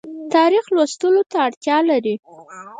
تاریخ لوستلو ته اړتیا لري